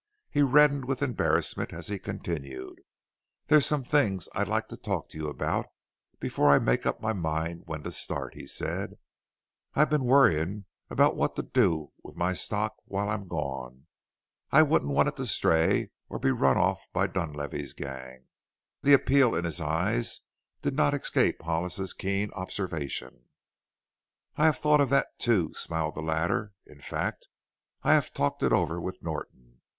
He reddened with embarrassment as he continued: "There's some things that I'd like to talk to you about before I make up my mind when to start," he said; "I've been worrying about what to do with my stock while I'm gone. I wouldn't want it to stray or be run off by Dunlavey's gang." The appeal in his eyes did not escape Hollis's keen observation. "I have thought of that too," smiled the latter. "In fact, I have talked it over with Norton.